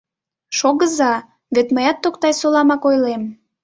— Шогыза, вет мыят Токтай-Соламак ойлем.